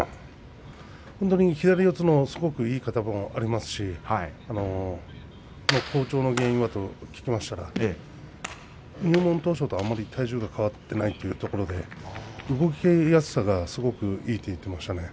本当に左四つのすごくいい型がありますし好調の原因はと聞きましたら入門当初とあまり体重が変わっていないというところで動きやすさがすごくいいと言っていましたね。